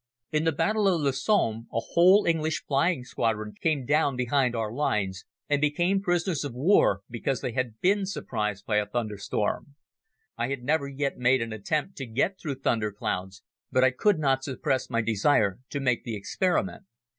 In the Battle of the Somme a whole English flying squadron came down behind our lines and became prisoners of war because they had been surprised by a thunderstorm. I had never yet made an attempt to get through thunder clouds but I could not suppress my desire to make the experiment.